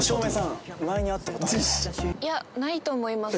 いやないと思います。